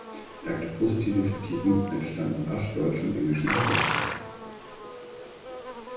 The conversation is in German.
Dank der positiven Kritiken entstanden rasch deutsche und englische Übersetzungen.